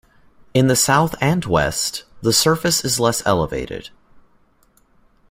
In the south and west, the surface is less elevated.